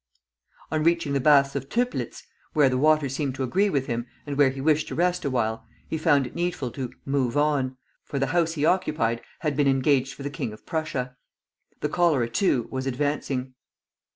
] On reaching the Baths of Töplitz, where the waters seemed to agree with him, and where he wished to rest awhile, he found it needful to "move on," for the house he occupied had been engaged for the king of Prussia. The cholera, too, was advancing.